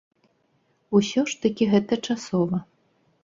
Усё ж такі гэта часова.